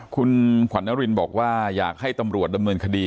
คุณขวัญนรินบอกว่าอยากให้ตำรวจดำเนินคดี